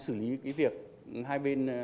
xử lý cái việc hai bên